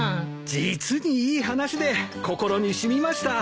実にいい話で心に染みました。